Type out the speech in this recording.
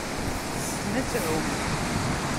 Tessen ad tεumm.